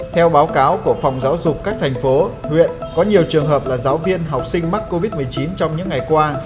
theo báo cáo của phòng giáo dục các thành phố huyện có nhiều trường hợp là giáo viên học sinh mắc covid một mươi chín trong những ngày qua